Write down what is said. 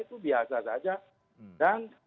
itu biasa saja dan